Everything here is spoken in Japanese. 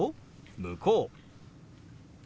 「向こう」。